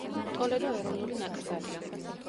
ტოლედო ეროვნული ნაკრძალია.